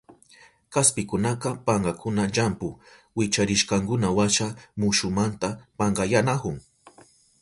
Kaspikunaka pankankuna llampu wicharishkankunawasha mushumanta pankayanahun.